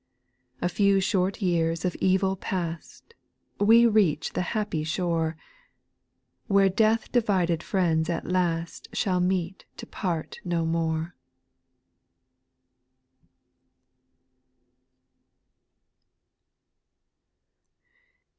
8. A few short years of evil past. We reach the hajjpy shore. Where death divided friends at last Shall meet to part no more.